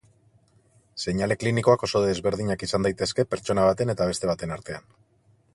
Seinale klinikoak oso desberdinak izan daitezke pertsona baten eta beste baten artean.